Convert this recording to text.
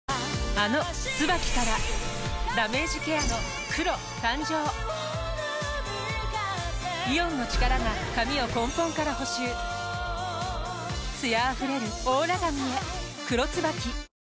あの「ＴＳＵＢＡＫＩ」からダメージケアの黒誕生イオンの力が髪を根本から補修艶あふれるオーラ髪へ「黒 ＴＳＵＢＡＫＩ」